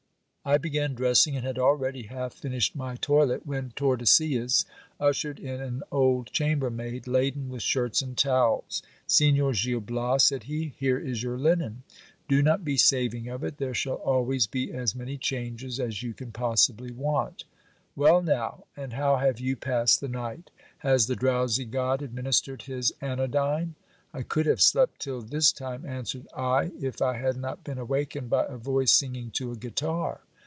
I began dressing, and had already half finished my toilet, when Tordesillas ushered in an old chambermaid, laden with shirts and towels. Signor Gil Bias, said he, here is your linen. Do not be saving of it ; there shall always be as many changes as you can possibly want. Well now ! and how have you passed the night ? Has the drowsy god administered his anodyne ? I could have slept till this time, answered I, if I had not been awakened by a voice singing to a guitar.